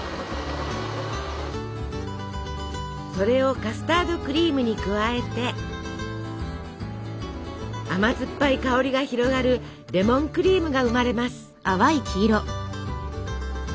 それをカスタードクリームに加えて甘酸っぱい香りが広がるレモンクリームが生まれます！